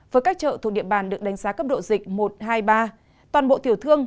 với các chợ thuộc địa bàn được đánh giá cấp độ dịch một hai ba toàn bộ tiểu thương